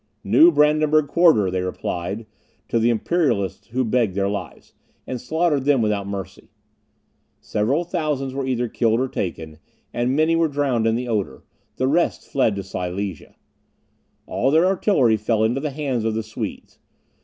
"New Brandenburg Quarter", they replied to the Imperialists who begged their lives, and slaughtered them without mercy. Several thousands were either killed or taken, and many were drowned in the Oder, the rest fled to Silesia. All their artillery fell into the hands of the Swedes.